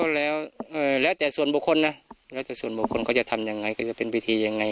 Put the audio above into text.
แล้วแล้วแต่ส่วนบุคคลนะแล้วแต่ส่วนบุคคลเขาจะทำยังไงก็จะเป็นพิธียังไง